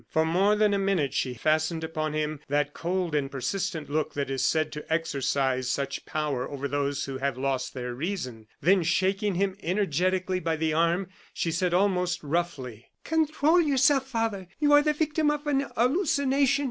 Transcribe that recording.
For more than a minute she fastened upon him that cold and persistent look that is said to exercise such power over those who have lost their reason; then, shaking him energetically by the arm, she said, almost roughly: "Control yourself, father. You are the victim of an hallucination.